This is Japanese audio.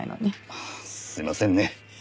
ああすいませんね。